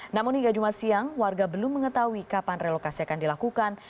namun hingga jumat siang warga belum mengetahui kapan relokasi akan dilakukan